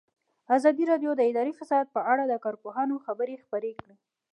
ازادي راډیو د اداري فساد په اړه د کارپوهانو خبرې خپرې کړي.